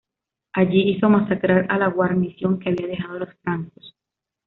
Allí, hizo masacrar a la guarnición que habían dejado los francos.